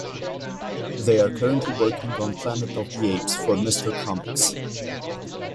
They are currently working on "Planet of the Apes" for Mr.Comics.